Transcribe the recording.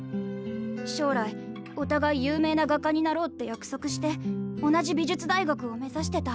将来おたがい有名な画家になろうって約束して同じ美術大学を目指してた。